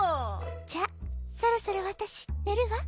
「じゃあそろそろわたしねるわ。